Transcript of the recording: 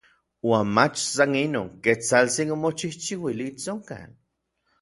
Uan mach san inon, Ketsaltsin omochijchiuili itsonkal.